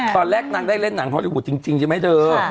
ตอนแรกนางได้เล่นหนังฮอลลี่วูดจริงใช่ไหมเธอ